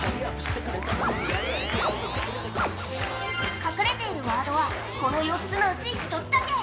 隠れているワードは、この４つのうち１つだけ。